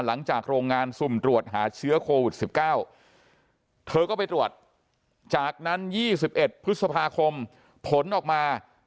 โรงงานสุ่มตรวจหาเชื้อโควิด๑๙เธอก็ไปตรวจจากนั้น๒๑พฤษภาคมผลออกมา